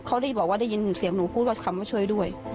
เขารีบบอกว่าได้ยินเสียงหนูพูดว่าคำว่าช่วยด้วย